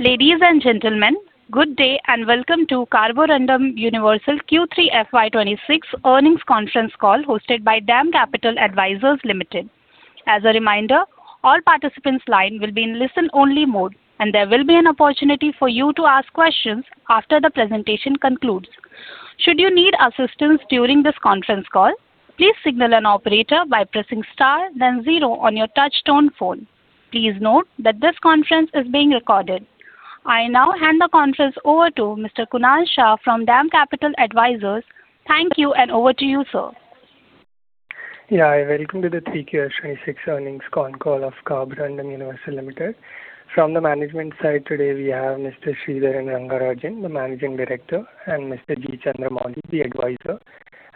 Ladies and gentlemen, good day, and welcome to Carborundum Universal Q3 FY 2026 earnings conference call, hosted by DAM Capital Advisors Limited. As a reminder, all participants' line will be in listen-only mode, and there will be an opportunity for you to ask questions after the presentation concludes. Should you need assistance during this conference call, please signal an operator by pressing Star, then Zero on your touchtone phone. Please note that this conference is being recorded. I now hand the conference over to Mr. Kunal Shah from DAM Capital Advisors. Thank you, and over to you, sir. Yeah. Welcome to the 3Q26 earnings con call of Carborundum Universal Limited. From the management side today, we have Mr. Sridharan Rangarajan, the Managing Director, and Mr. G. Chandramouli, the Advisor.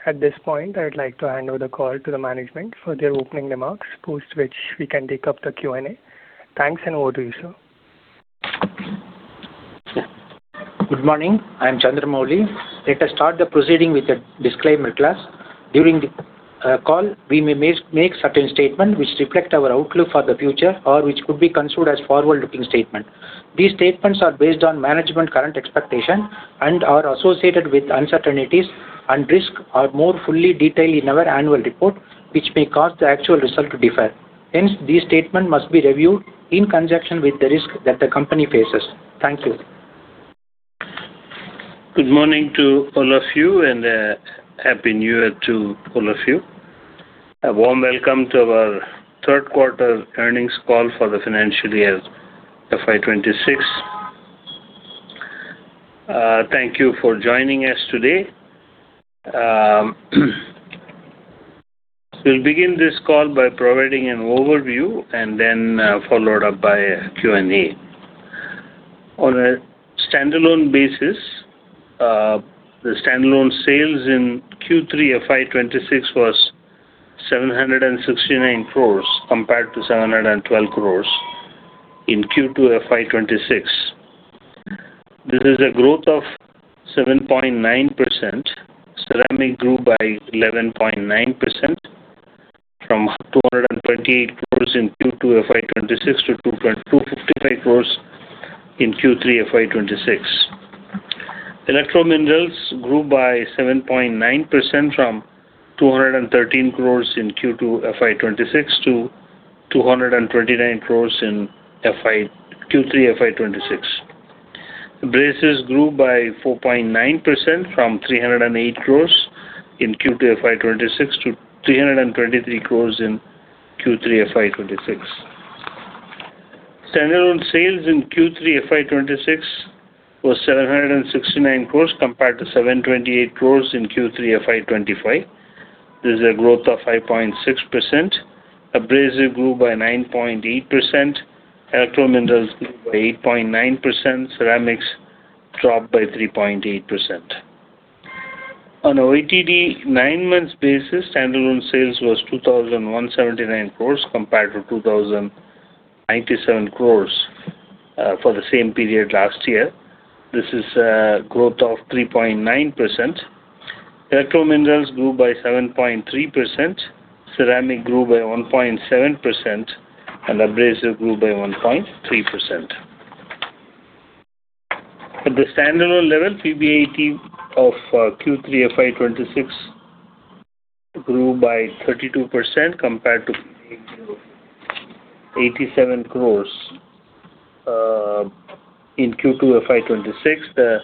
At this point, I'd like to hand over the call to the management for their opening remarks, post which we can take up the Q&A. Thanks, and over to you, sir. Good morning. I'm Chandramouli. Let us start the proceeding with a disclaimer clause. During the call, we may make certain statement which reflect our outlook for the future or which could be considered as forward-looking statement. These statements are based on management current expectation and are associated with uncertainties, and risk are more fully detailed in our annual report, which may cause the actual result to differ. Hence, these statement must be reviewed in conjunction with the risk that the company faces. Thank you. Good morning to all of you, and happy New Year to all of you. A warm welcome to our third quarter earnings call for the financial year FY 2026. Thank you for joining us today. We'll begin this call by providing an overview and then followed up by a Q&A. On a standalone basis, the standalone sales in Q3 FY 2026 was 769 crores, compared to 712 crores in Q2 FY 2026. This is a growth of 7.9%. Ceramics grew by 11.9%, from 228 crores in Q2 FY 2026 to 255 crores in Q3 FY 2026. Electrominerals grew by 7.9%, from 213 crores in Q2 FY 2026 to 229 crores in Q3 FY 2026. Abrasives grew by 4.9%, from 308 crore in Q2 FY 2026 to 323 crore in Q3 FY 2026. Standalone sales in Q3 FY 2026 was 769 crore, compared to 728 crore in Q3 FY 2025. This is a growth of 5.6%. Abrasive grew by 9.8%, Electrominerals by 8.9%, ceramics dropped by 3.8%. On a YTD nine months basis, standalone sales was 2,179 crore compared to 2,097 crore for the same period last year. This is a growth of 3.9%. Electrominerals grew by 7.3%, ceramic grew by 1.7%, and abrasive grew by 1.3%. At the standalone level, PBIT of Q3 FY 2026 grew by 32% compared to INR 87 crores in Q2 FY 2026. The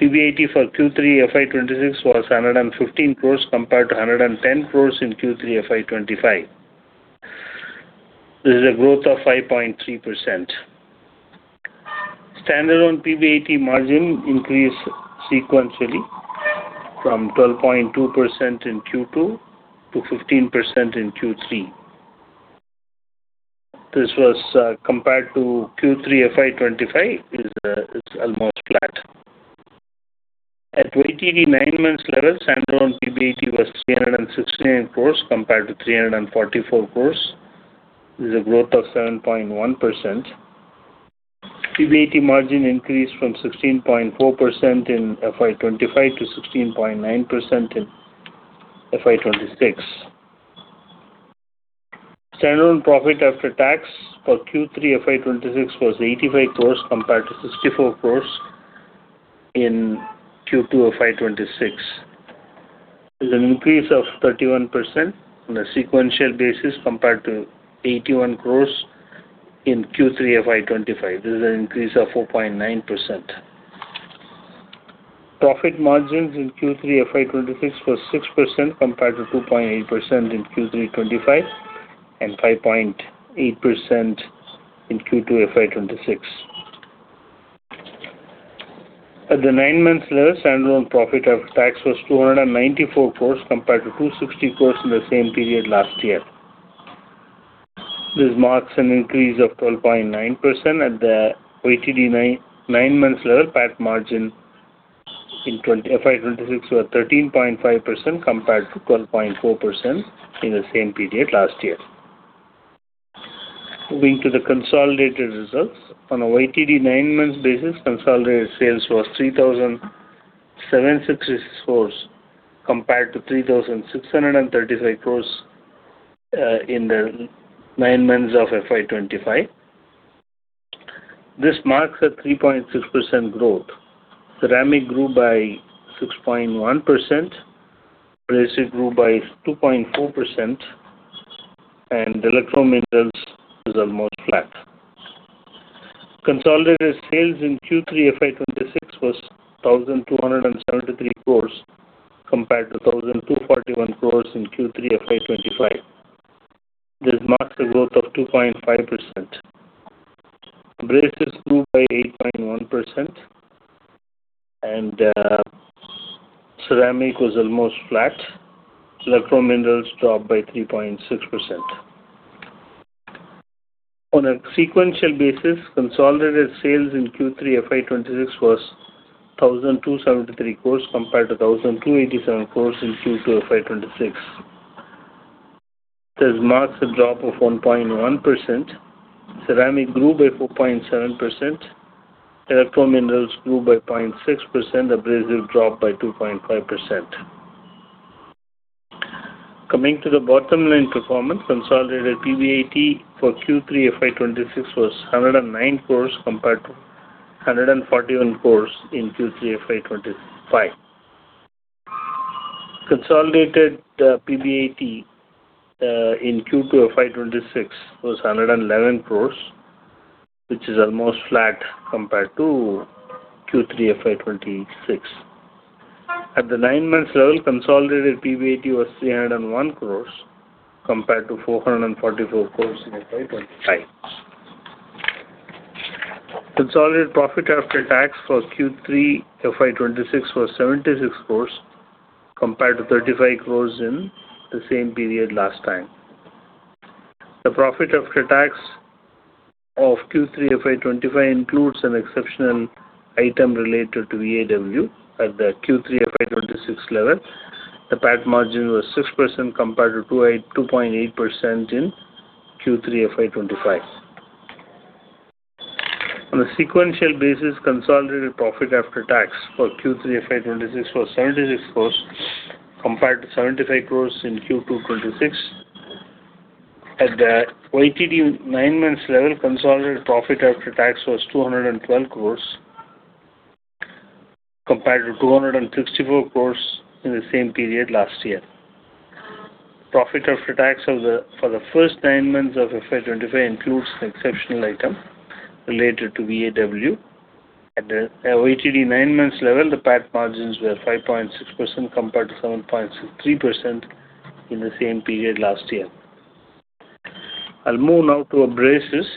PBIT for Q3 FY 2026 was 115 crores compared to 110 crores in Q3 FY 2025. This is a growth of 5.3%. Standalone PBIT margin increased sequentially from 12.2% in Q2 to 15% in Q3. This was compared to Q3 FY 2025 is almost flat. At YTD nine months level, standalone PBIT was 369 crores compared to 344 crores. This is a growth of 7.1%. PBIT margin increased from 16.4% in FY 2025 to 16.9% in FY 2026. Standalone profit after tax for Q3 FY 2026 was 85 crore compared to 64 crore in Q2 of FY 2026. There's an increase of 31% on a sequential basis compared to 81 crore in Q3 FY 2025. This is an increase of 4.9%. Profit margins in Q3 FY 2026 was 6%, compared to 2.8% in Q3 2025 and 5.8% in Q2 FY 2026. At the nine months level, standalone profit after tax was 294 crore compared to 260 crore in the same period last year. This marks an increase of 12.9% at the YTD nine months level. PAT margin in FY 2026 were 13.5% compared to 12.4% in the same period last year. Moving to the consolidated results. On a YTD nine months basis, consolidated sales was 3,760 crore compared to 3,635 crore in the nine months of FY 2025. This marks a 3.6% growth. Ceramics grew by 6.1%, Abrasives grew by 2.4%, and Electrominerals is almost flat. Consolidated sales in Q3 FY 2026 was 1,273 crore, compared to 1,241 crore in Q3 FY 2025. This marks a growth of 2.5%. Abrasives grew by 8.1%, and ceramic was almost flat. Electrominerals dropped by 3.6%. On a sequential basis, consolidated sales in Q3 FY 2026 was 1,273 crore compared to 1,287 crore in Q2 FY 2026. This marks a drop of 1.1%. Ceramics grew by 4.7%, Electrominerals grew by 0.6%, abrasives dropped by 2.5%. Coming to the bottom line performance, consolidated PBIT for Q3 FY 2026 was 109 crores, compared to 141 crores in Q3 FY 2025. Consolidated PBIT in Q2 FY 2026 was 111 crores, which is almost flat compared to Q3 FY 2026. At the nine months level, consolidated PBIT was 301 crores compared to 444 crores in FY 2025. Consolidated profit after tax for Q3 FY 2026 was 76 crores compared to 35 crores in the same period last time. The profit after tax of Q3 FY 2025 includes an exceptional item related to VAW at the Q3 FY 2026 level. The PAT margin was 6% compared to 2.8% in Q3 FY 2025. On a sequential basis, consolidated profit after tax for Q3 FY 2026 was 76 crores, compared to 75 crores in Q2 2026. At the YTD 9 months level, consolidated profit after tax was 212 crores, compared to 264 crores in the same period last year. Profit after tax for the first 9 months of FY 2025 includes the exceptional item related to VAW. At the YTD 9 months level, the PAT margins were 5.6% compared to 7.3% in the same period last year. I'll move now to Abrasives.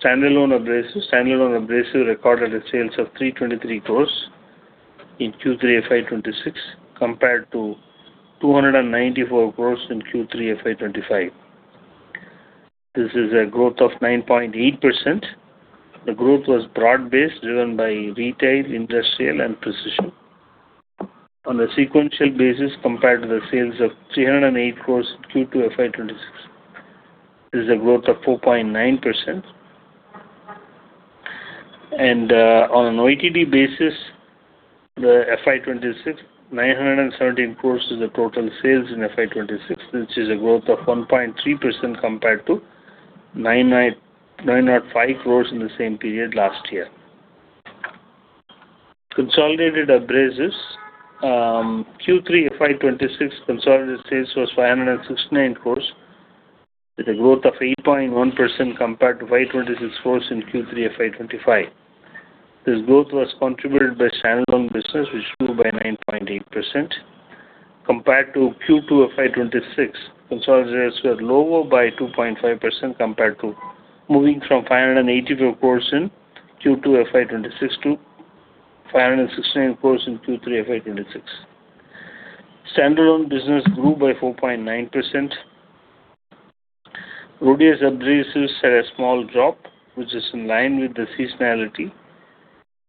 Standalone Abrasives. Standalone Abrasives recorded the sales of 323 crores in Q3 FY 2026, compared to 294 crores in Q3 FY 2025. This is a growth of 9.8%. The growth was broad-based, driven by retail, industrial, and precision. On a sequential basis, compared to the sales of 308 crore Q2 FY 2026, this is a growth of 4.9%. And on an YTD basis, the FY 2026, 917 crore is the total sales in FY 2026, which is a growth of 1.3% compared to 905 crore in the same period last year. Consolidated Abrasives Q3 FY 2026 consolidated sales was 569 crore, with a growth of 8.1% compared to 526 crore in Q3 FY 2025. This growth was contributed by stand-alone business, which grew by 9.8% compared to Q2 FY 2026. Consolidated were lower by 2.5% compared to moving from 584 crore in Q2 FY 2026 to 569 crore in Q3 FY 2026. Stand-alone business grew by 4.9%. Rhodius Abrasives had a small drop, which is in line with the seasonality.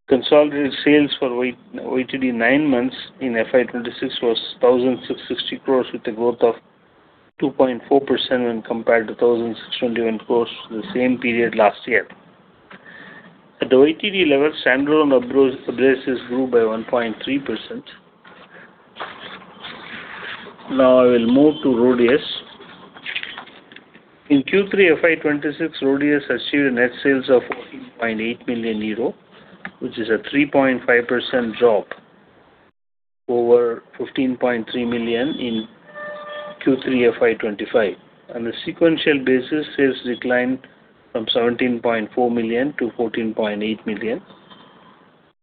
Consolidated sales for YTD nine months in FY 2026 was 1,660 crore, with a growth of 2.4% when compared to 1,621 crore the same period last year. At the YTD level, stand-alone Abrasives grew by 1.3%. Now I will move to Rhodius. In Q3 FY 2026, Rhodius achieved net sales of 14.8 million euro, which is a 3.5% drop over 15.3 million in Q3 FY 2025. On a sequential basis, sales declined from 17.4 million to 14.8 million.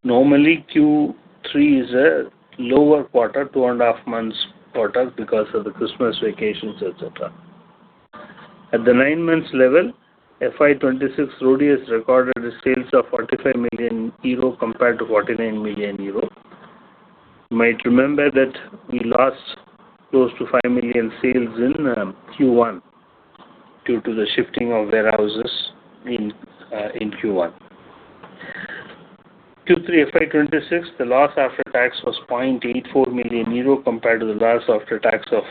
Normally, Q3 is a lower quarter, two and a half months quarter because of the Christmas vacations, etc. At the nine months level, FY 2026, Rhodius recorded the sales of 45 million euro compared to 49 million euro. You might remember that we lost close to 5 million sales in Q1 due to the shifting of warehouses in Q1. Q3 FY 2026, the loss after tax was 0.84 million euro, compared to the loss after tax of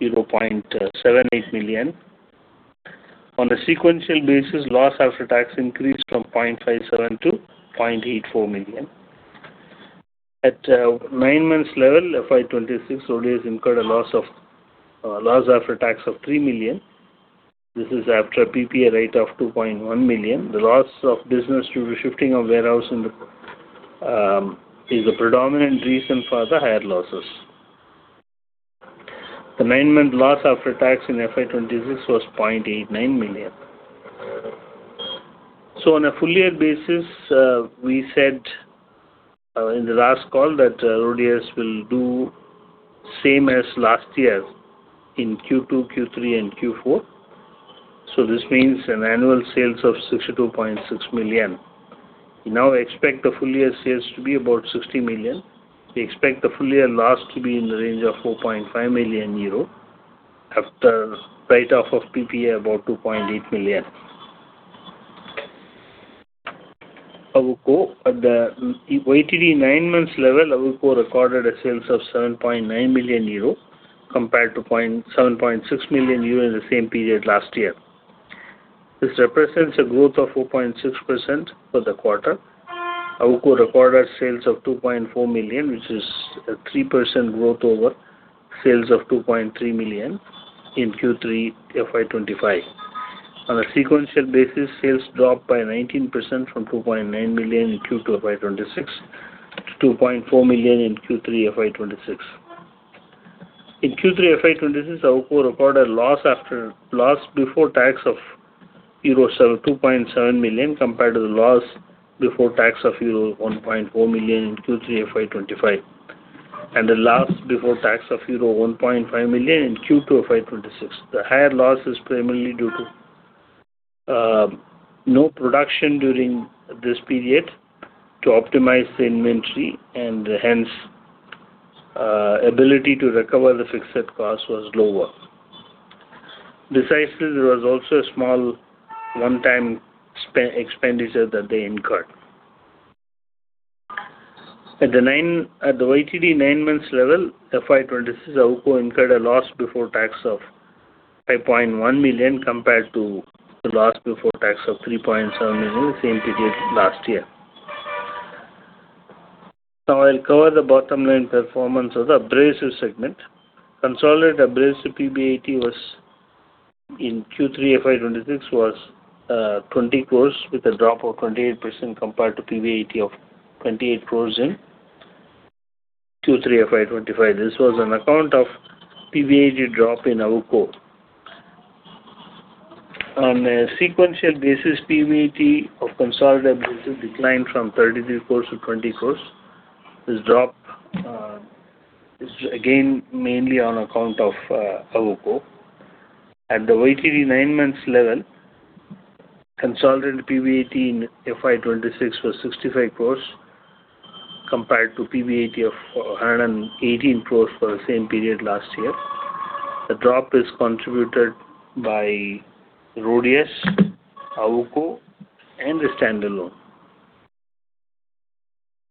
0.78 million. On a sequential basis, loss after tax increased from 0.57 to 0.84 million. At nine months level, FY 2026, Rhodius incurred a loss after tax of 3 million. This is after a PPA write-off of 2.1 million. The loss of business due to shifting of warehouse is a predominant reason for the higher losses. The nine-month loss after tax in FY 2026 was 0.89 million. So on a full year basis, we said in the last call that Rhodius will do same as last year in Q2, Q3, and Q4. So this means an annual sales of 62.6 million. We now expect the full year sales to be about 60 million. We expect the full year loss to be in the range of 4.5 million euro, after write-off of PPA, about 2.8 million. Awuko, at the YTD nine months level, Awuko recorded a sales of 7.9 million euro, compared to 7.6 million euro in the same period last year. This represents a growth of 4.6% for the quarter. Awuko recorded sales of 2.4 million, which is a 3% growth over sales of 2.3 million in Q3 FY 2025. On a sequential basis, sales dropped by 19% from 2.9 million in Q2 FY 2026 to 2.4 million in Q3 FY 2026. In Q3 FY 2026, Awuko recorded a loss before tax of euro 2.7 million, compared to the loss before tax of euro 1.4 million in Q3 FY 2025, and the loss before tax of euro 1.5 million in Q2 FY 2026. The higher loss is primarily due to no production during this period to optimize the inventory, and hence, ability to recover the fixed cost was lower. Besides this, there was also a small one-time expenditure that they incurred. At the YTD nine months level, FY 2026, Awuko incurred a loss before tax of 5.1 million, compared to the loss before tax of 3.7 million the same period last year. Now, I'll cover the bottom line performance of the Abrasives segment. Consolidated Abrasives PBIT was, in Q3 FY 2026, 20 crores, with a drop of 28% compared to PBIT of 28 crores in Q3 FY 2025. This was on account of PBIT drop in Awuko. On a sequential basis, PBIT of consolidated Abrasives declined from 33 crores to 20 crores. This drop is again, mainly on account of Awuko. At the YTD 9 months level, consolidated PBIT in FY 2026 was 65 crore, compared to PBIT of 118 crore for the same period last year. The drop is contributed by Rhodius, Awuko, and the standalone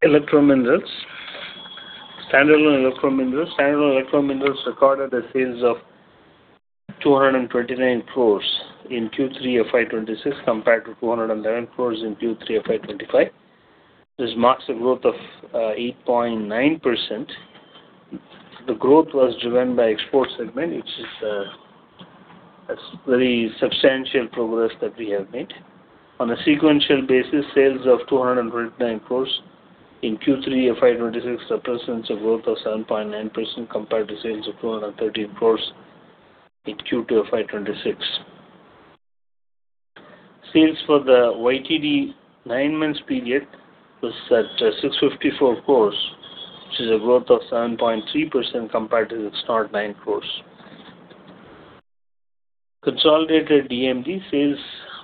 Electrominerals. Standalone Electrominerals recorded a sales of 229 crore in Q3 FY 2026, compared to 211 crore in Q3 FY 2025. This marks a growth of 8.9%. The growth was driven by export segment, which is a very substantial progress that we have made. On a sequential basis, sales of 229 crore in Q3 FY 2026 represents a growth of 7.9% compared to sales of 213 crore in Q2 FY 2026. Sales for the YTD nine months period was at 654 crore, which is a growth of 7.3% compared to the 609 crore. Consolidated EMD sales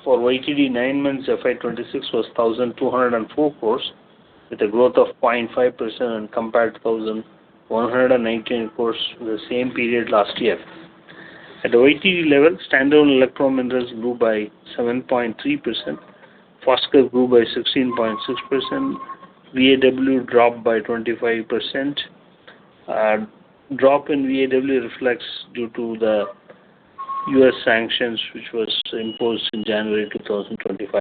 for YTD nine months FY 2026 was 1,204 crore, with a growth of 0.5% compared to 1,119 crore the same period last year. At the YTD level, standalone Electrominerals grew by 7.3%. Foskor grew by 16.6%. VAW dropped by 25%. Drop in VAW reflects due to the U.S. sanctions, which was imposed in January 2025.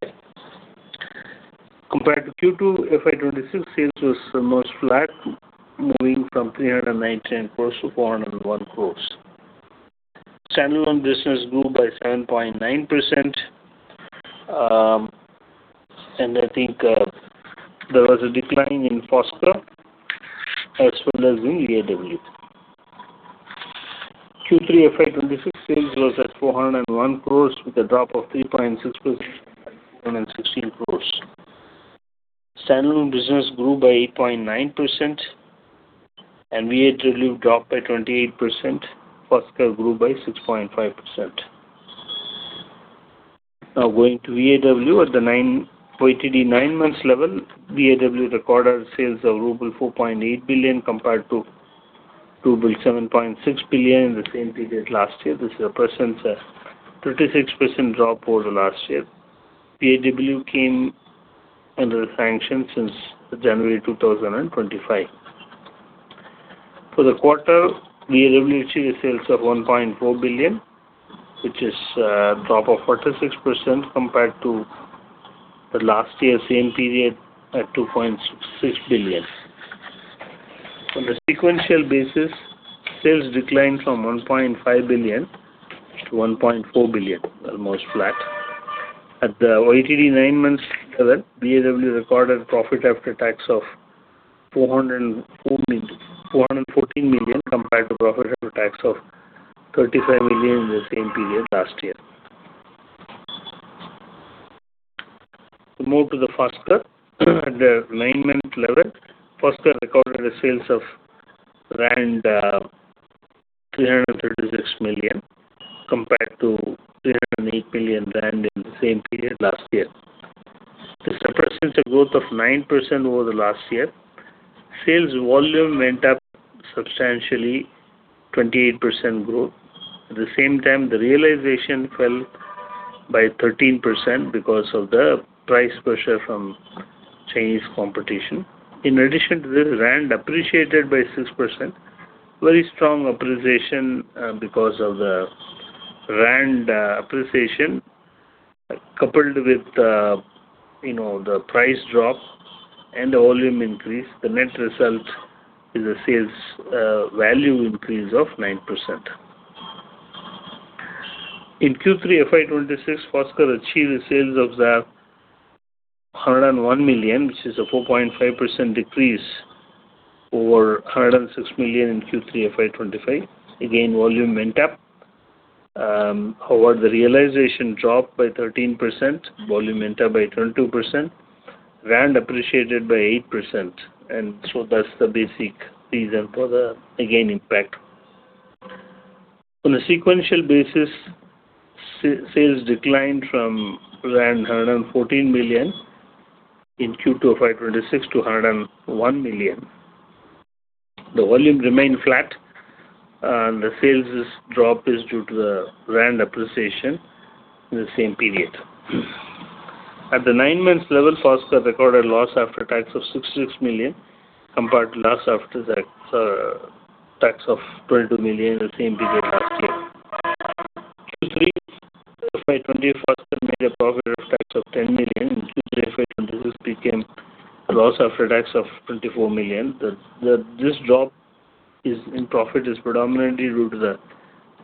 Compared to Q2 FY 2026, sales was almost flat, moving from 319 crore to 401 crore. Standalone business grew by 7.9%, and I think there was a decline in Foskor as well as in VAW. Q3 FY 2026 sales was at 401 crore, with a drop of 3.6% and 16 crore. Standalone business grew by 8.9%, and VAW dropped by 28%. Foskor grew by 6.5%. Now, going to VAW at the YTD 9 months level, VAW recorded sales of ruble 4.8 billion compared to ruble 7.6 billion in the same period last year. This represents a 36% drop over last year. VAW came under sanction since January 2025. For the quarter, we achieved sales of 1.4 billion, which is a drop of 46% compared to the last year same period at 2.6 billion. On a sequential basis, sales declined from 1.5 billion to 1.4 billion, almost flat. At the YTD 9 months level, VAW recorded profit after tax of 404 million, 414 million, compared to profit after tax of 35 million in the same period last year. To move to the Foskor, at the nine-month level, Foskor recorded the sales of rand 336 million, compared to 308 million rand in the same period last year. This represents a growth of 9% over the last year. Sales volume went up substantially, 28% growth. At the same time, the realization fell by 13% because of the price pressure from Chinese competition. In addition to this, rand appreciated by 6%. Very strong appreciation because of the rand appreciation, coupled with you know the price drop and the volume increase, the net result is a sales value increase of 9%. In Q3 FY 2026, Foskor achieved the sales of 101 million, which is a 4.5% decrease over 106 million in Q3 FY 2025. Again, volume went up. However, the realization dropped by 13%, volume went up by 22%, rand appreciated by 8%, and so that's the basic reason for the again impact. On a sequential basis, sales declined from 114 million in Q2 of FY 2026 to 101 million. The volume remained flat, and the sales drop is due to the rand appreciation in the same period. At the 9 months level, Foskor recorded a loss after tax of 66 million, compared to loss after tax of 22 million in the same period last year. Q3 of FY 2025, Foskor made a profit after tax of 10 million, which therefore, this became a loss after tax of 24 million. This drop in profit is predominantly due to the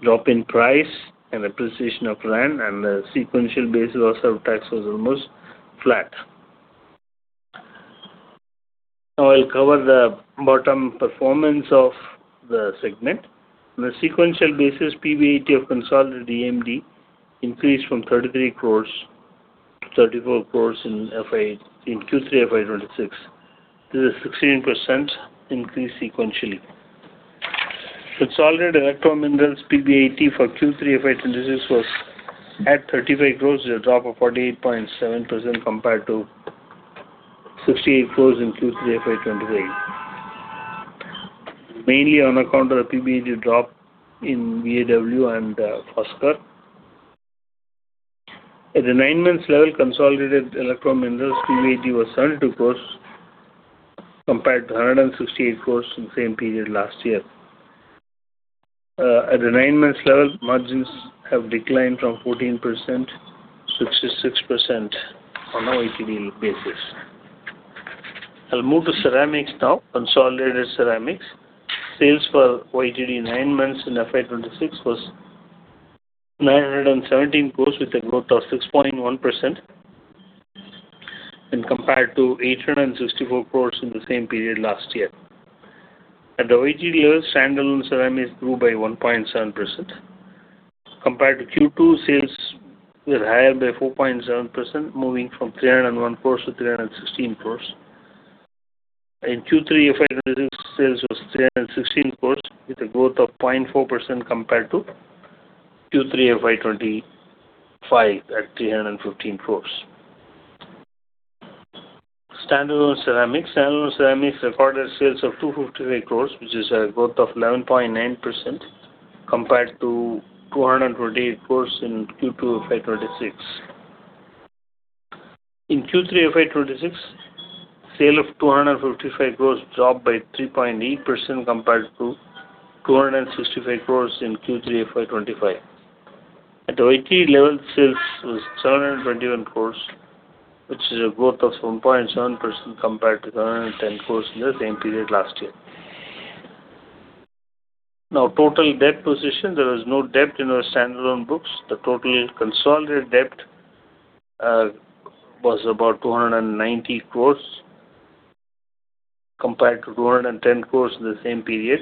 drop in price and appreciation of rand, and the sequential basis also, tax was almost flat. Now I'll cover the bottom performance of the segment. On a sequential basis, PBIT of consolidated EMD increased from 33 crore to 34 crore in Q3 of FY 2026. This is 16% increase sequentially. Consolidated Electrominerals PBIT for Q3 FY 2026 was at 35 crore, a drop of 48.7% compared to 68 crore in Q3 FY 2025. Mainly on account of the PBIT drop in VAW and Foskor. At the nine months level, consolidated Electrominerals PBIT was 72 crore, compared to 168 crore in the same period last year. At the nine months level, margins have declined from 14% to 6.6% on a YTD basis. I'll move to ceramics now. Consolidated ceramics sales for YTD nine months in FY 2026 was 917 crore, with a growth of 6.1%, and compared to 864 crore in the same period last year. At the YTD year, standalone ceramics grew by 1.7%. Compared to Q2, sales were higher by 4.7%, moving from 301 crore to 316 crore. In Q3 FY 2026, sales was 316 crore, with a growth of 0.4% compared to Q3 FY 2025 at INR 315 crore. Standalone ceramics. Standalone ceramics recorded sales of 258 crore, which is a growth of 11.9% compared to 228 crore in Q2 of FY 2026. In Q3 of FY 2026, sale of 255 crore dropped by 3.8% compared to 265 crore in Q3 FY 2025. At the YTD level, sales was 721 crore, which is a growth of 1.7% compared to 710 crore in the same period last year. Now, total debt position. There was no debt in our standalone books. The total consolidated debt was about 290 crore compared to 210 crore in the same period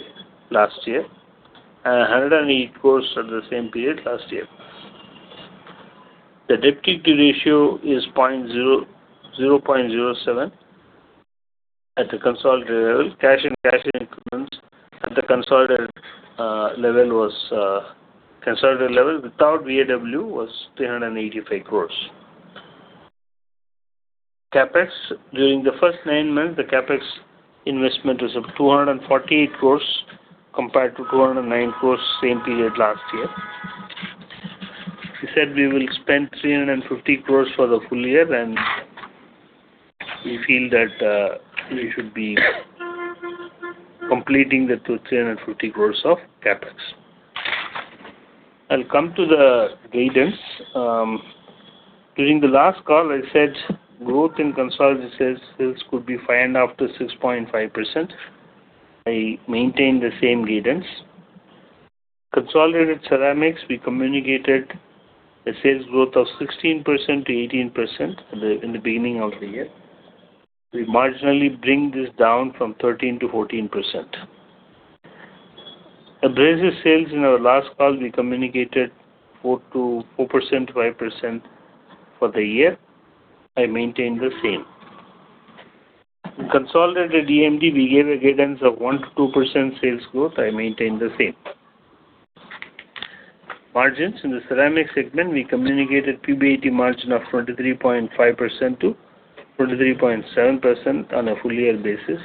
last year, and 108 crore at the same period last year. The debt-to-equity ratio is 0.007 at the consolidated level. Cash and cash equivalents at the consolidated level was consolidated level without VAW was 385 crore. CapEx. During the first nine months, the CapEx investment was of 248 crore compared to 209 crore same period last year.... We said we will spend 350 crore for the full year, and we feel that we should be completing the three hundred and fifty crores of CapEx. I'll come to the guidance. During the last call, I said growth in consolidated sales, sales could be 5% and up to 6.5%. I maintain the same guidance. Consolidated ceramics, we communicated a sales growth of 16%-18% in the beginning of the year. We marginally bring this down to 13%-14%. Abrasives sales in our last call, we communicated 4-4%, 5% for the year. I maintain the same. In consolidated EMD, we gave a guidance of 1%-2% sales growth. I maintain the same. Margins in the ceramic segment, we communicated PBIT margin of 23.5%-23.7% on a full year basis.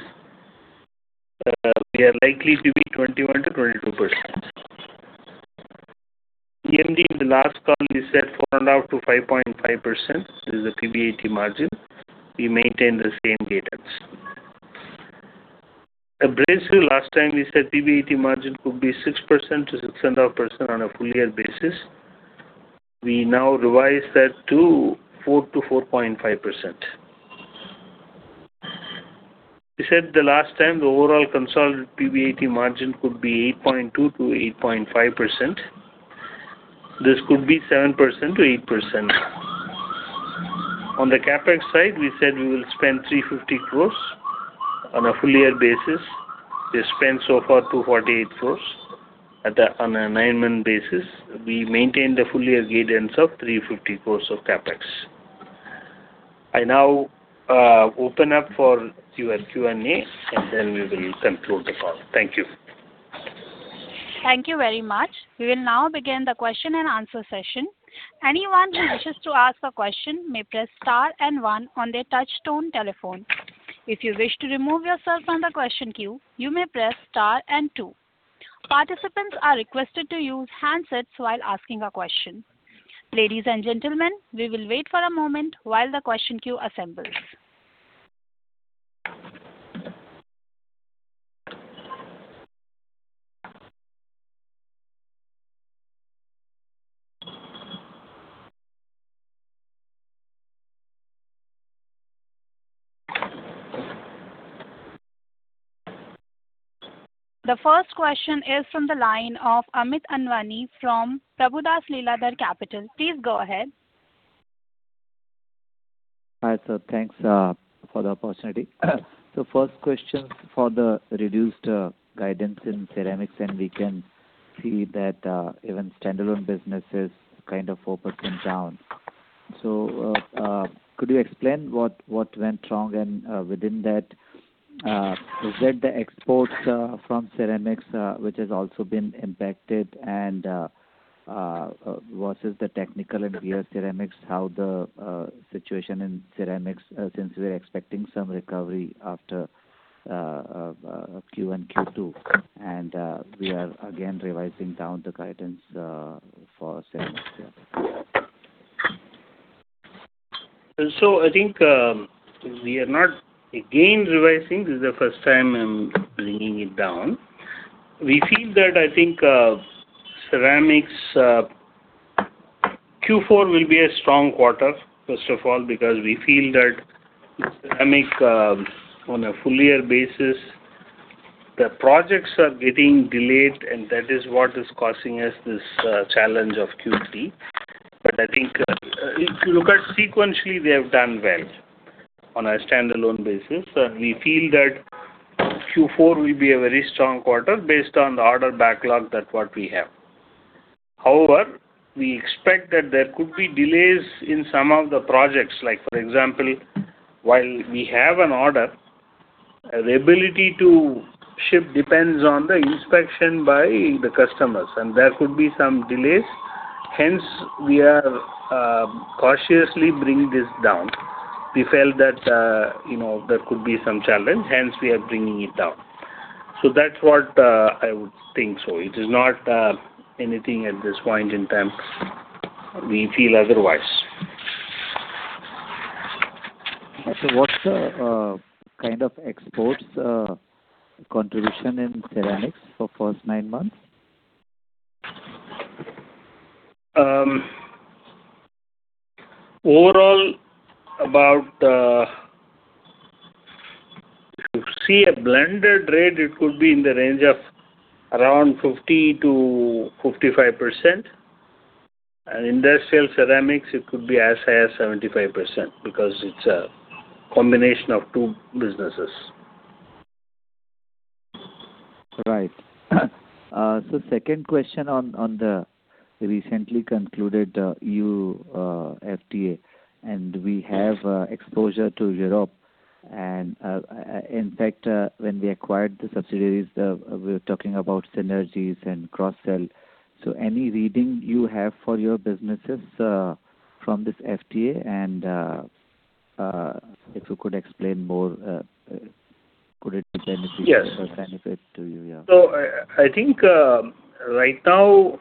We are likely to be 21%-22%. EMD, in the last call, we said 4.5%-5.5% is the PBIT margin. We maintain the same guidance. Abrasives, last time we said PBIT margin could be 6%-6.5% on a full year basis. We now revise that to 4%-4.5%. We said the last time the overall consolidated PBIT margin could be 8.2%-8.5%. This could be 7%-8%. On the CapEx side, we said we will spend 350 crore on a full year basis. We spent so far 248 crore on a nine-month basis. We maintain the full year guidance of 350 crore of CapEx. I now open up for your Q&A, and then we will conclude the call. Thank you. Thank you very much. We will now begin the question and answer session. Anyone who wishes to ask a question may press star and one on their touch tone telephone. If you wish to remove yourself from the question queue, you may press star and two. Participants are requested to use handsets while asking a question. Ladies and gentlemen, we will wait for a moment while the question queue assembles. The first question is from the line of Amit Anwani from Prabhudas Lilladher Capital. Please go ahead. Hi, sir. Thanks for the opportunity. So first question for the reduced guidance in ceramics, and we can see that even standalone business is kind of 4% down. So could you explain what went wrong? And within that, is that the exports from ceramics which has also been impacted and versus the technical and refractory ceramics, how the situation in ceramics since we are expecting some recovery after Q1, Q2, and we are again revising down the guidance for ceramics? Yeah. So I think, we are not again revising. This is the first time I'm bringing it down. We feel that, I think, ceramics, Q4 will be a strong quarter, first of all, because we feel that ceramic, on a full year basis, the projects are getting delayed, and that is what is causing us this, challenge of Q3. But I think, if you look at sequentially, we have done well on a standalone basis. We feel that Q4 will be a very strong quarter based on the order backlog that what we have. However, we expect that there could be delays in some of the projects. Like, for example, while we have an order, the ability to ship depends on the inspection by the customers, and there could be some delays. Hence, we are, cautiously bringing this down. We felt that, you know, there could be some challenge, hence we are bringing it down. So that's what, I would think so. It is not anything at this point in time we feel otherwise. Okay. What's the kind of exports contribution in ceramics for first nine months? Overall, if you see a blended rate, it could be in the range of around 50%-55%. Industrial ceramics, it could be as high as 75%, because it's a combination of two businesses. Right. So second question on the recently concluded EU FTA, and we have exposure to Europe. And in fact, when we acquired the subsidiaries, we were talking about synergies and cross-sell. So any reading you have for your businesses from this FTA, and if you could explain more. Could it be beneficial- Yes. Or benefit to you, yeah. So I think right now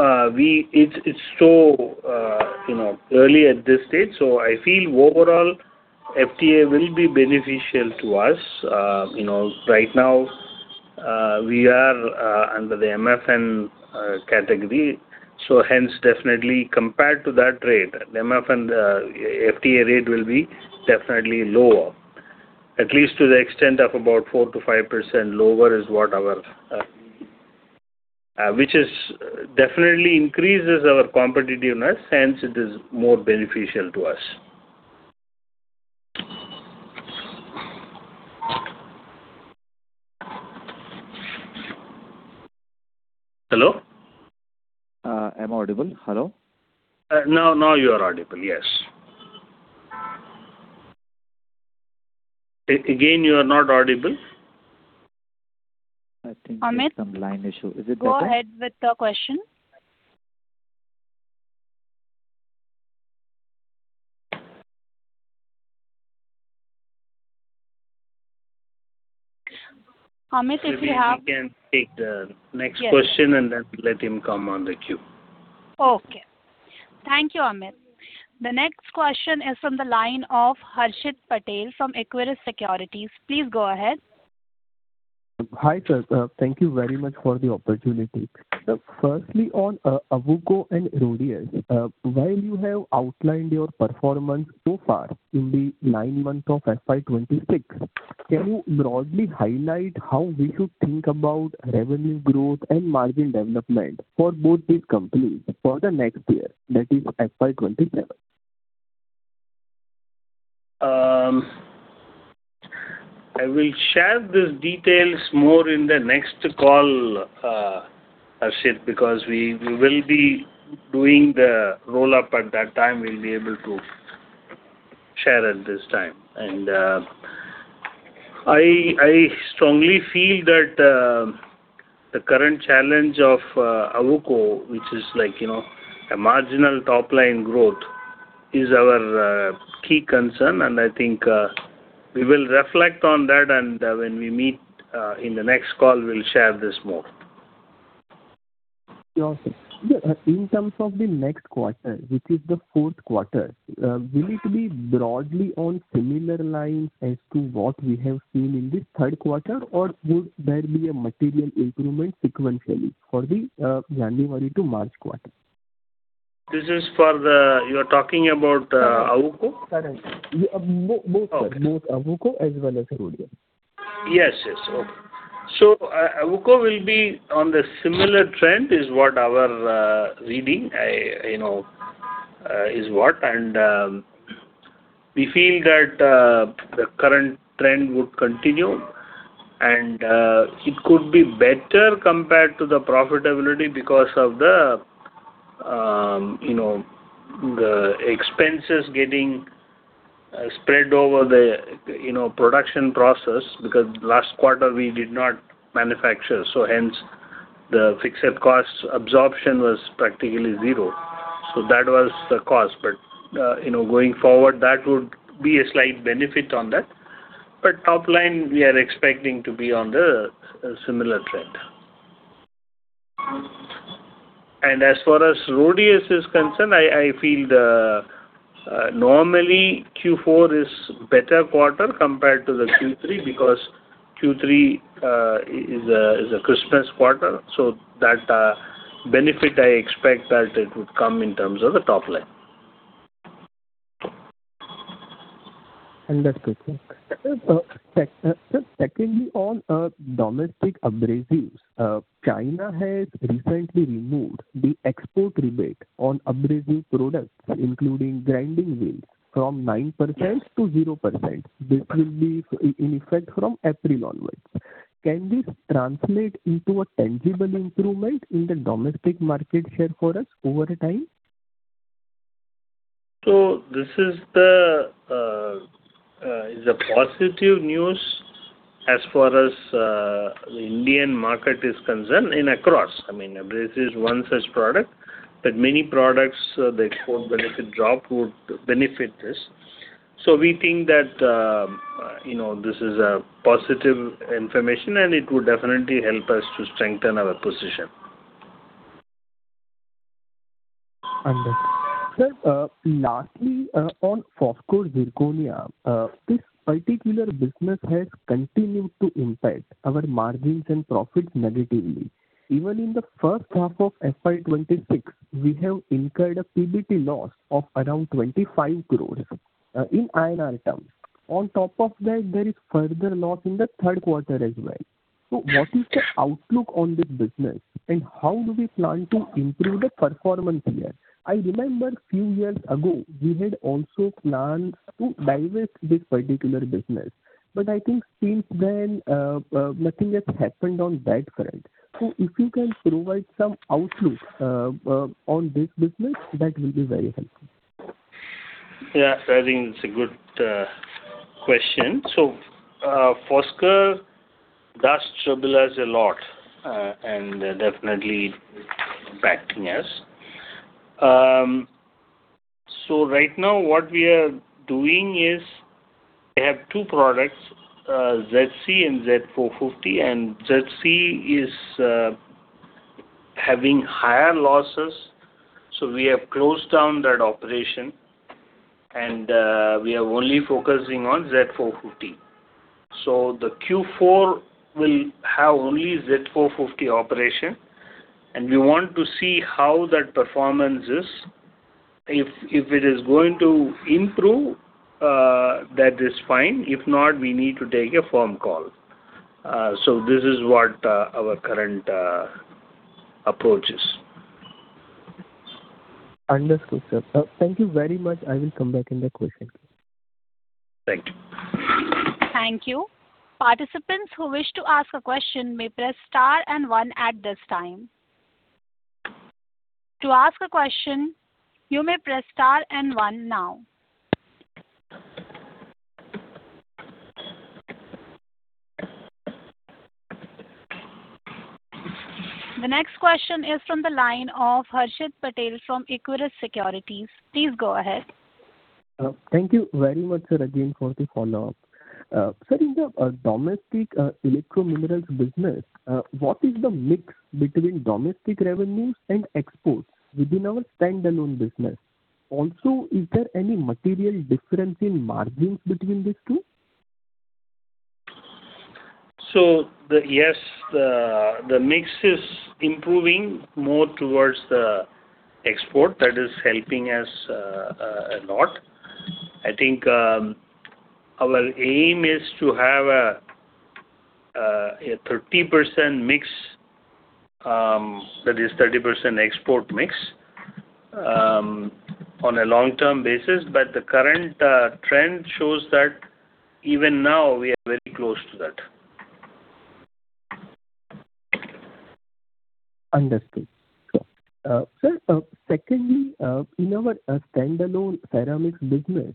it's so you know early at this stage, so I feel overall FTA will be beneficial to us. You know right now we are under the MFN category, so hence definitely compared to that rate, the MFN FTA rate will be definitely lower. At least to the extent of about 4%-5% lower is what our which is definitely increases our competitiveness, hence it is more beneficial to us. Hello? Am I audible? Hello. Now, now you are audible, yes. Again, you are not audible. I think there's some line issue. Amit. Is it better? Go ahead with the question. Amit, if you have- We can take the next question- Yes. And then let him come on the queue. Okay. Thank you, Amit. The next question is from the line of Harshit Patel from Equirus Securities. Please go ahead. Hi, sir. Thank you very much for the opportunity. Sir, firstly, on Awuko and Rhodius, while you have outlined your performance so far in the nine months of FY 2026, can you broadly highlight how we should think about revenue growth and margin development for both these companies for the next year, that is FY 2027? I will share these details more in the next call, Harshit, because we will be doing the roll-up at that time. We'll be able to share at this time. I strongly feel that the current challenge of Awuko, which is like, you know, a marginal top-line growth, is our key concern, and I think we will reflect on that and when we meet in the next call, we'll share this more. Yeah, okay. Yeah, in terms of the next quarter, which is the fourth quarter, will it be broadly on similar lines as to what we have seen in the third quarter, or would there be a material improvement sequentially for the January to March quarter? This is for the... You're talking about Awuko? Correct. Yeah, both. Okay. Both Awuko as well as Rhodius. Yes, yes. Okay. So Awuko will be on the similar trend, is what our reading, you know, is what. And, we feel that, the current trend would continue, and, it could be better compared to the profitability because of the, you know, the expenses getting, spread over the, you know, production process, because last quarter we did not manufacture, so hence the fixed cost absorption was practically zero. So that was the cause. But, you know, going forward, that would be a slight benefit on that. But top line, we are expecting to be on the, similar trend. As far as Rhodius is concerned, I feel normally Q4 is better quarter compared to the Q3, because Q3 is a Christmas quarter, so that benefit I expect that it would come in terms of the top line. Understood, sir. Sir, secondly, on domestic abrasives, China has recently removed the export rebate on abrasive products, including grinding wheels, from 9% to 0%. This will be in effect from April onwards. Can this translate into a tangible improvement in the domestic market share for us over time? So this is the, the positive news as far as, the Indian market is concerned and across. I mean, abrasive is one such product, but many products, the export benefit drop would benefit this. So we think that, you know, this is a positive information, and it would definitely help us to strengthen our position. Understood. Sir, lastly, on Foskor Zirconia, this particular business has continued to impact our margins and profits negatively. Even in the first half of FY 2026, we have incurred a PBT loss of around 25 crores INR in INR terms. On top of that, there is further loss in the third quarter as well. So what is the outlook on this business, and how do we plan to improve the performance here? I remember a few years ago, we had also planned to divest this particular business, but I think since then, nothing has happened on that front. So if you can provide some outlook on this business, that will be very helpful. Yeah, I think it's a good question. So, Foskor does trouble us a lot, and definitely impacting us. So right now, what we are doing is, we have two products, ZC and Z450, and ZC is having higher losses, so we have closed down that operation, and we are only focusing on Z450. So the Q4 will have only Z450 operation, and we want to see how that performance is. If it is going to improve, that is fine. If not, we need to take a firm call. So this is what our current approach is. Understood, sir. Thank you very much. I will come back in the question. Thank you. Thank you. Participants who wish to ask a question may press star and one at this time. To ask a question, you may press Star and One now. The next question is from the line of Harshit Patel from Equirus Securities. Please go ahead. Thank you very much, sir, again, for the follow-up. Sir, in the domestic Electrominerals business, what is the mix between domestic revenues and exports within our standalone business? Also, is there any material difference in margins between these two? Yes, the mix is improving more towards the export. That is helping us a lot. I think our aim is to have a 30% mix, that is 30% export mix, on a long-term basis. But the current trend shows that even now we are very close to that. Understood. Sure. Sir, secondly, in our standalone ceramics business,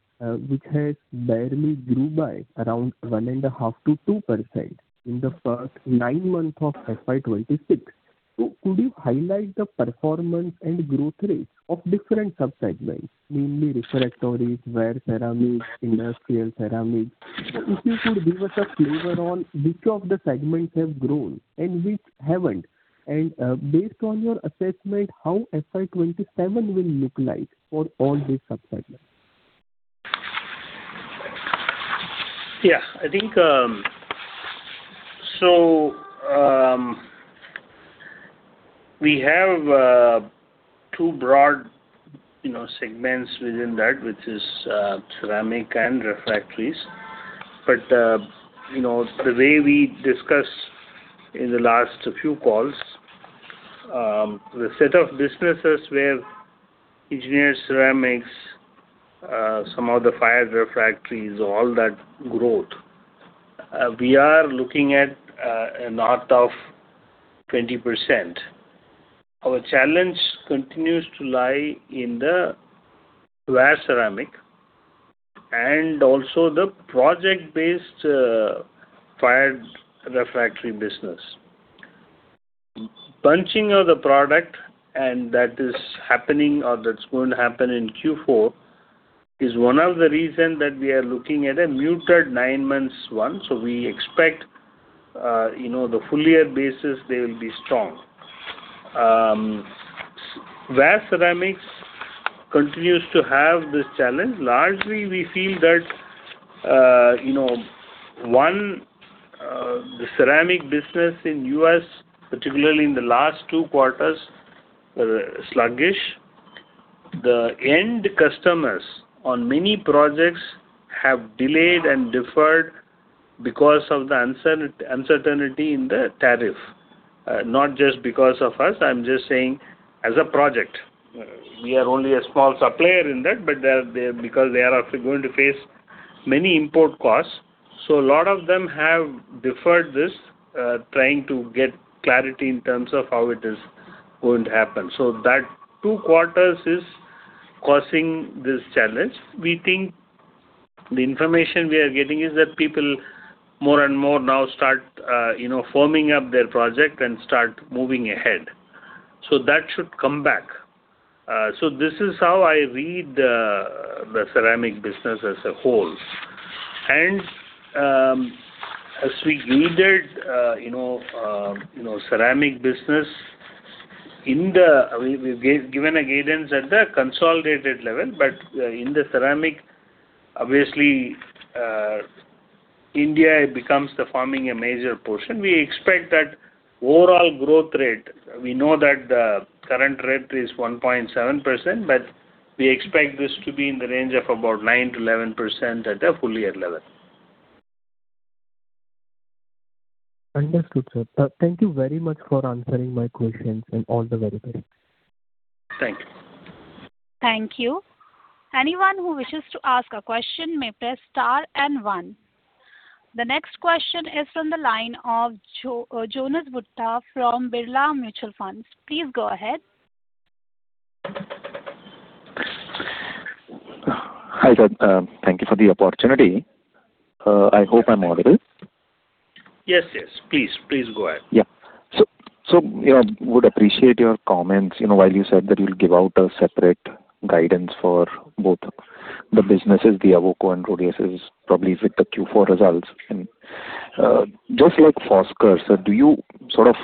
which has barely grew by around 1.5%-2% in the first nine months of FY 2026, so could you highlight the performance and growth rates of different sub-segments, mainly refractories, wear ceramics, industrial ceramics? So if you could give us a flavor on which of the segments have grown and which haven't, and based on your assessment, how FY 2027 will look like for all these sub-segments? Yeah. I think, so, we have, two broad, you know, segments within that, which is, ceramic and refractories. But, you know, the way we discussed in the last few calls, the set of businesses where engineered ceramics, some of the fired refractories, all that growth, we are looking at, north of 20%. Our challenge continues to lie in the wear ceramic and also the project-based, fired refractory business. Bunching of the product, and that is happening or that's going to happen in Q4, is one of the reason that we are looking at a muted nine months one. So we expect, you know, the full year basis, they will be strong. Wear ceramics continues to have this challenge. Largely, we feel that, you know, one, the ceramic business in U.S., particularly in the last two quarters, were sluggish. The end customers on many projects have delayed and deferred because of the uncertainty in the tariff. Not just because of us, I'm just saying as a project. We are only a small supplier in that, but they are. Because they are also going to face many import costs. So a lot of them have deferred this, trying to get clarity in terms of how it is going to happen. So that two quarters is causing this challenge. We think the information we are getting is that people more and more now start, you know, firming up their project and start moving ahead. So that should come back. So this is how I read, the ceramic business as a whole. As we guided, you know, you know, the ceramic business—we have given a guidance at the consolidated level, but in the ceramic, obviously, India becomes the forming a major portion. We expect that overall growth rate, we know that the current rate is 1.7%, but we expect this to be in the range of about 9%-11% at a full year level. Understood, sir. Thank you very much for answering my questions and all the very best. Thank you. Thank you. Anyone who wishes to ask a question may press Star and One. The next question is from the line of Jonas Bhutta from Birla Mutual Funds. Please go ahead. Hi, sir. Thank you for the opportunity. I hope I'm audible? Yes, yes, please, please go ahead. Yeah. So, you know, I would appreciate your comments, you know, while you said that you'll give out a separate guidance for both the businesses, the Awuko and Rhodius, probably with the Q4 results. And just like Foskor, so do you sort of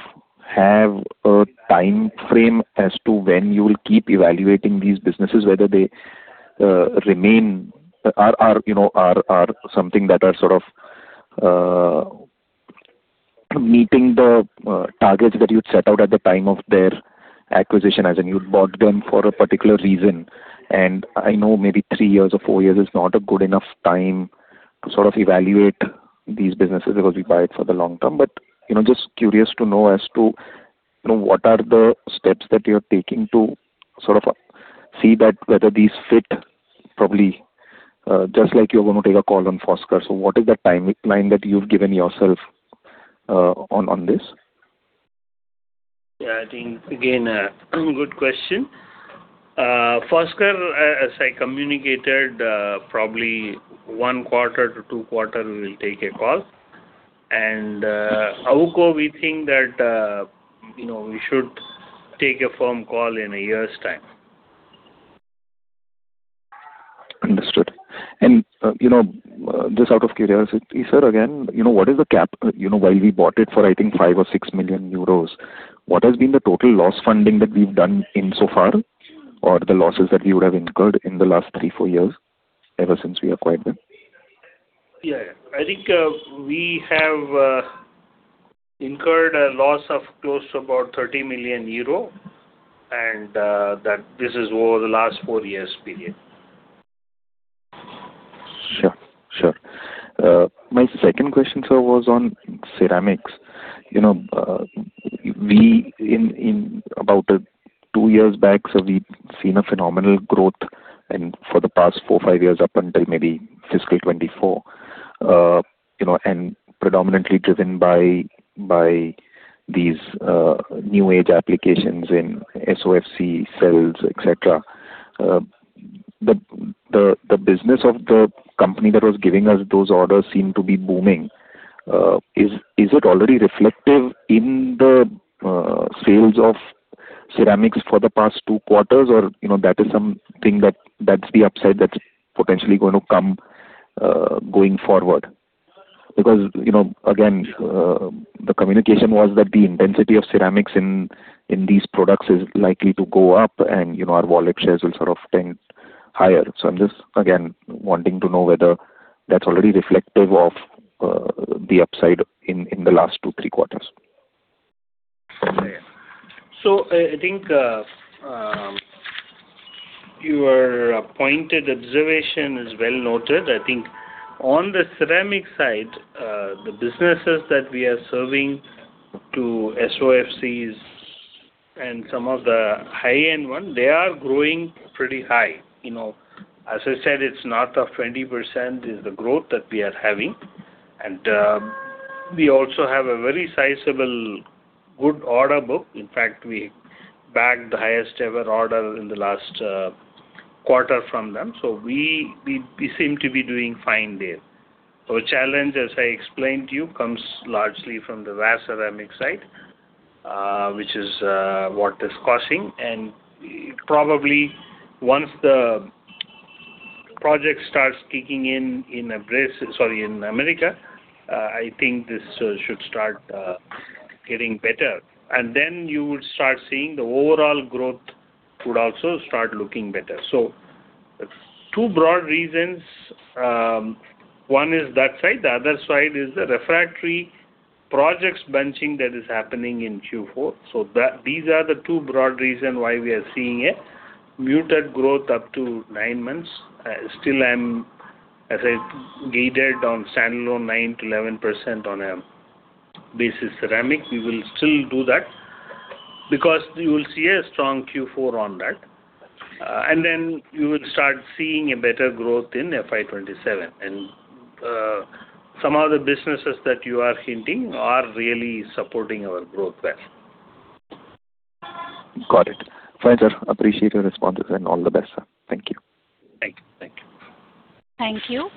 have a timeframe as to when you will keep evaluating these businesses, whether they remain or, you know, are something that are sort of meeting the targets that you'd set out at the time of their acquisition, as in you'd bought them for a particular reason. And I know maybe three years or four years is not a good enough time to sort of evaluate these businesses because we buy it for the long term. But, you know, just curious to know as to, you know, what are the steps that you're taking to sort of see that whether these fit probably, just like you're going to take a call on Foskor. So what is the timeline that you've given yourself, on this? Yeah, I think again, a good question. Foskor, as I communicated, probably one quarter to two quarter, we will take a call. Awuko, we think that, you know, we should take a firm call in a year's time. Understood. You know, just out of curiosity, sir, again, you know, what is the cap? You know, while we bought it for, I think, 5million-6 million euros, what has been the total loss funding that we've done so far, or the losses that we would have incurred in the last 3-4 years, ever since we acquired them? Yeah. I think, we have incurred a loss of close to about 30 million euro, and that this is over the last 4 years period. Sure. Sure. My second question, sir, was on ceramics. You know, in about 2 years back, so we've seen a phenomenal growth and for the past 4-5 years, up until maybe fiscal 2024, you know, and predominantly driven by these new age applications in SOFC cells, et cetera. The business of the company that was giving us those orders seem to be booming. Is it already reflective in the sales of ceramics for the past 2 quarters? Or, you know, that is something that's the upside that's potentially going to come going forward. Because, you know, again, the communication was that the intensity of ceramics in these products is likely to go up, and, you know, our wallet shares will sort of tend higher. I'm just, again, wanting to know whether that's already reflective of the upside in, in the last two, three quarters? So I think your appointed observation is well noted. I think on the ceramic side, the businesses that we are serving to SOFCs and some of the high-end one, they are growing pretty high. You know, as I said, it's north of 20% is the growth that we are having. And we also have a very sizable good order book. In fact, we bagged the highest ever order in the last quarter from them, so we seem to be doing fine there. Our challenge, as I explained to you, comes largely from the wear ceramics side, which is what is causing. And probably once the project starts kicking in, in America, I think this should start getting better. And then you will start seeing the overall growth would also start looking better. So two broad reasons. One is that side, the other side is the refractory projects bunching that is happening in Q4. So that these are the two broad reason why we are seeing a muted growth up to nine months. Still, I'm, as I guided on standalone, 9%-11% on a basis ceramic. We will still do that because you will see a strong Q4 on that. And then you will start seeing a better growth in FY 2027. And, some of the businesses that you are hinting are really supporting our growth well. Got it. Fine, sir, appreciate your responses and all the best, sir. Thank you. Thank you. Thank you. Thank you.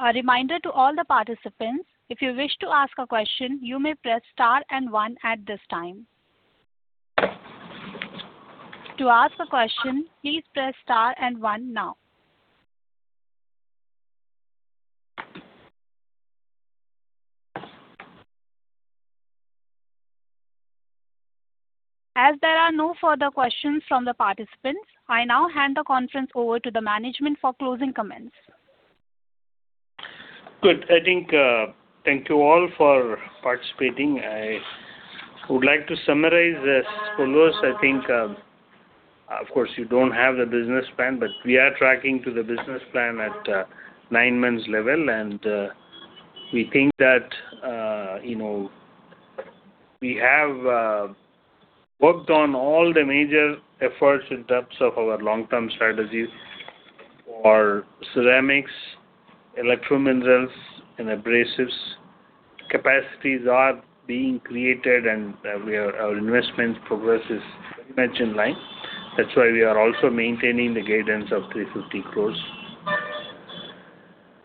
A reminder to all the participants, if you wish to ask a question, you may press Star and One at this time. To ask a question, please press star and one now. As there are no further questions from the participants, I now hand the conference over to the management for closing comments. Good. I think, thank you all for participating. I would like to summarize as follows. I think, of course, you don't have the business plan, but we are tracking to the business plan at nine months level. We think that, you know, we have worked on all the major efforts in depths of our long-term strategies for ceramics, Electrominerals and abrasives. Capacities are being created and, we are. Our investment progress is very much in line. That's why we are also maintaining the guidance of 350 crores.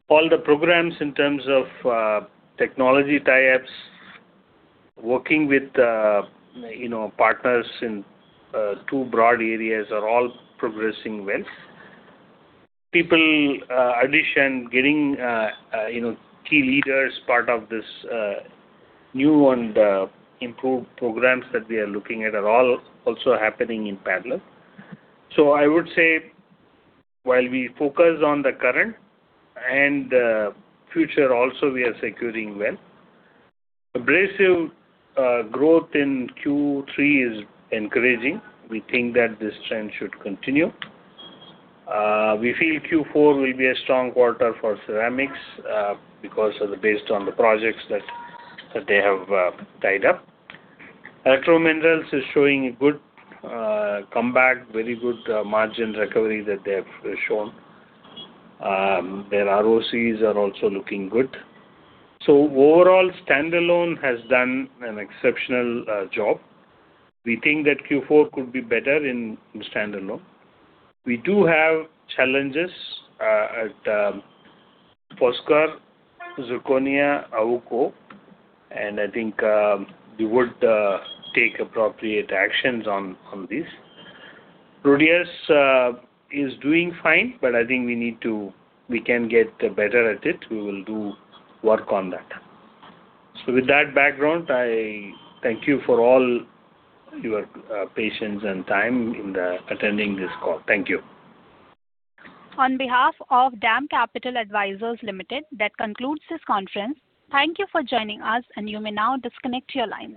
All the programs in terms of, technology tie-ups, working with, you know, partners in, two broad areas are all progressing well. People, addition, getting, you know, key leaders part of this, new and, improved programs that we are looking at are all also happening in parallel. So I would say, while we focus on the current and future also, we are securing well. Abrasives growth in Q3 is encouraging. We think that this trend should continue. We feel Q4 will be a strong quarter for ceramics because, based on the projects that they have tied up. Electrominerals is showing a good comeback, very good margin recovery that they have shown. Their ROCEs are also looking good. So overall, standalone has done an exceptional job. We think that Q4 could be better in standalone. We do have challenges at Foskor Zirconia, Awuko, and I think we would take appropriate actions on this. Rhodius is doing fine, but I think we need to we can get better at it. We will do work on that. With that background, I thank you for all your patience and time in attending this call. Thank you. On behalf of DAM Capital Advisors Limited, that concludes this conference. Thank you for joining us, and you may now disconnect your lines.